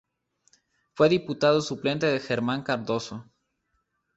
Fue diputado suplente de Germán Cardoso.